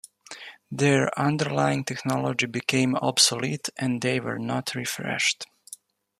Their underlying technology became obsolete and they were not refreshed.